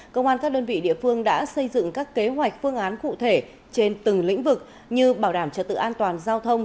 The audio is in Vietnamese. công an các đơn vị địa phương đã xây dựng các kế hoạch phương án cụ thể trên từng lĩnh vực như bảo đảm trật tự an toàn giao thông